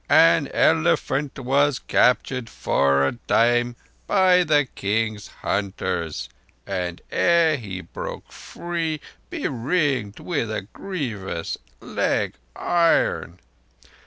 _—an elephant was captured for a time by the king's hunters and ere he broke free, beringed with a grievous legiron.